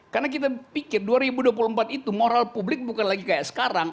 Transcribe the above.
karena kita pikir dua ribu dua puluh empat itu moral publik bukan lagi kayak sekarang